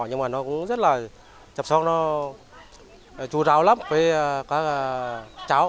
nhưng mà nó cũng rất là chăm sóc nó chú ráo lắm với các cháu